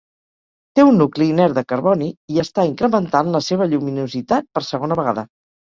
Té un nucli inert de carboni i està incrementant la seva lluminositat per segona vegada.